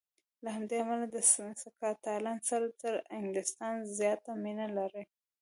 له همدې امله د سکاټلنډ سره تر انګلیستان زیاته مینه لري.